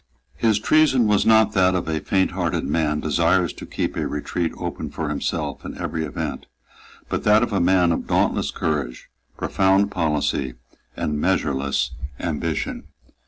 His treason was not that of a fainthearted man desirous to keep a retreat open for himself in every event, but that of a man of dauntless courage, profound policy and measureless ambition.